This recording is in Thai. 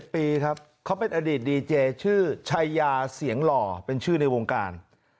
ปีครับเขาเป็นอดีตดีเจชื่อชายาเสียงหล่อเป็นชื่อในวงการ